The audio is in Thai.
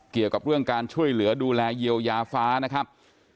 เกี่ยวกับเรื่องการช่วยเหลือดูแลเยียวยาฟ้านะครับ